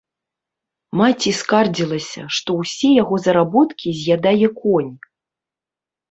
Маці скардзілася, што ўсе яго заработкі з'ядае конь.